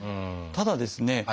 ただですね